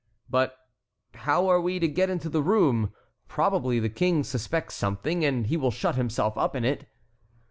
"But how are we to get into the room? Probably the king suspects something, and he will shut himself up in it."